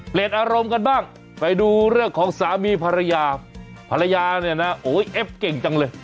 อารมณ์กันบ้างไปดูเรื่องของสามีภรรยาภรรยาเนี่ยนะโอ้ยเอ็บเก่งจังเลย